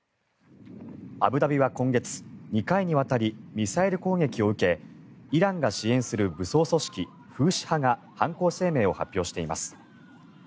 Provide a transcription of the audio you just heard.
アブダビは今月２回にわたりミサイル攻撃を受けイランが支援する武装組織フーシ派が犯行声明を発表しています。